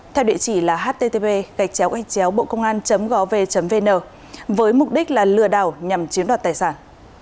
theo địa chỉ là http bocongan gov vn với mục đích là lừa đảo nhằm chiến đoạt tài sản